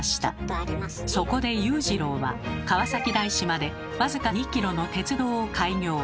そこで勇次郎は川崎大師まで僅か２ｋｍの鉄道を開業。